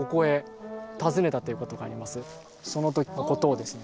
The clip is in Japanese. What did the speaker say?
そのときのことをですね